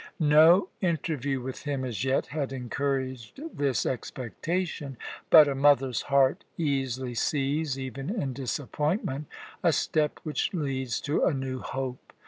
No interview with him as yet had encouraged this expectation, but a mother's heart easily sees, even in disappointment, a step which leads to a new hope.